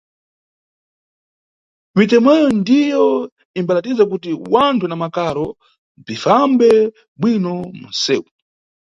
Mitemoyo ndyo imbalatiza kuti wanthu na makaro bzimbafambe bwino munsewu.